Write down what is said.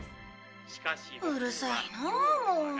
うるさいなあもう。